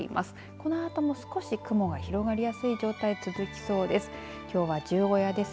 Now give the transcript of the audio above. このあとも少し雲が広がりやすい状態が続きそうです。